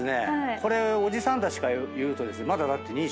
これおじさんたちから言うとまだだって二十。